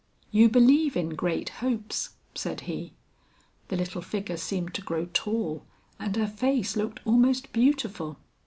"You believe in great hopes," said he. The little figure seemed to grow tall; and her face looked almost beautiful.